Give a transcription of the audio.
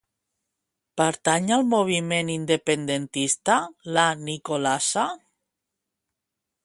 Pertany al moviment independentista la Nicolasa?